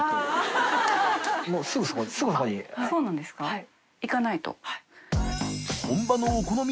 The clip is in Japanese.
はい。